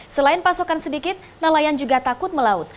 selain pasokan sedikit nelayan juga takut melaut